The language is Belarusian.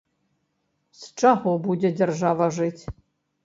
З чаго будзе дзяржава жыць?